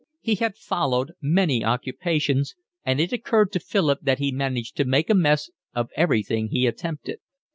He had followed many occupations, and it occurred to Philip that he managed to make a mess of everything he attempted.